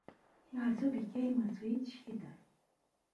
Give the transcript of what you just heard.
He also became a switch-hitter.